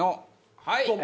はい！